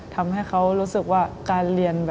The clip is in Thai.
ทำให้เขารู้สึกว่าการเรียน